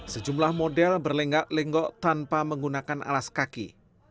sejumlah model berlenggak lenggok tanpa menggunakan alas kaki